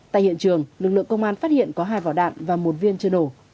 tại hiện trường lực lượng công an phát hiện có hai vỏ đạn và một viên chân ổ